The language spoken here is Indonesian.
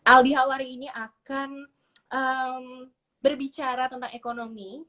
aldi hawari ini akan berbicara tentang ekonomi